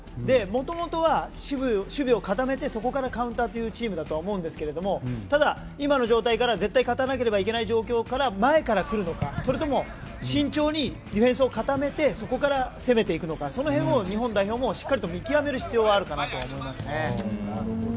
元々は守備を固めてそこからカウンターというチームだとは思うんですがただ、今の状態から絶対勝たなければいけない状況から前から来るのかそれとも慎重にディフェンスを固めてそこから攻めていくのかその辺を日本代表もしっかりと見極める必要はあると思いますね。